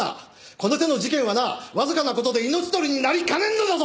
この手の事件はなわずかな事で命取りになりかねんのだぞ！